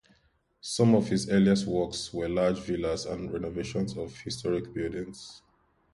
Some of his earliest works were large villas and renovations of historical buildings.